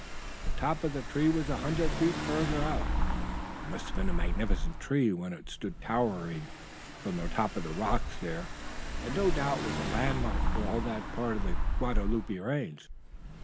The top of the tree was a hundred feet further out. It must have been a magnificent tree when it stood towering from the top of the rocks there and no doubt was a landmark for all that part of the Guadalupe Range.